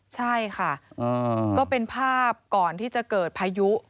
ใช่ค่ะก็เป็นภาพก่อนที่จะเกิดพายุ